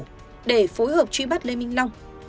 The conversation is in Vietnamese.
và các đơn vị phối hợp truy bắt lê minh long